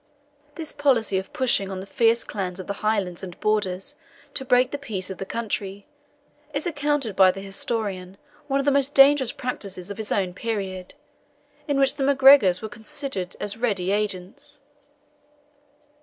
This policy of pushing on the fierce clans of the Highlands and Borders to break the peace of the country, is accounted by the historian one of the most dangerous practices of his own period, in which the MacGregors were considered as ready agents.